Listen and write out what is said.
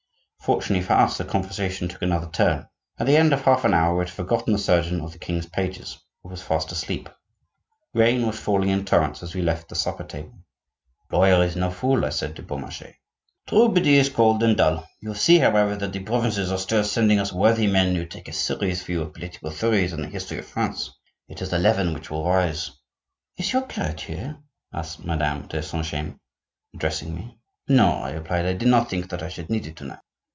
Fortunately for us the conversation took another turn. At the end of half an hour we had forgotten the surgeon of the king's pages, who was fast asleep. Rain was falling in torrents as we left the supper table. "The lawyer is no fool," I said to Beaumarchais. "True, but he is cold and dull. You see, however, that the provinces are still sending us worthy men who take a serious view of political theories and the history of France. It is a leaven which will rise." "Is your carriage here?" asked Madame de Saint James, addressing me. "No," I replied, "I did not think that I should need it to night."